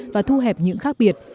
và thu hẹp những khác biệt